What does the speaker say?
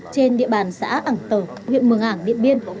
trên địa bàn xã ảng tờ huyện mường ảng điện biên